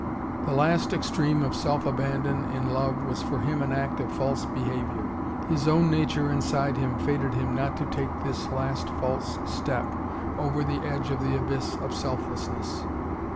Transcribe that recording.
The last extreme of self abandon in love was for him an act of false behaviour. His own nature inside him fated him not to take this last false step, over the edge of the abyss of selflessness.